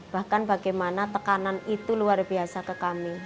bahkan bagaimana tekanan itu luar biasa ke kami